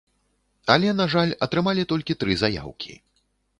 Але, на жаль, атрымалі толькі тры заяўкі.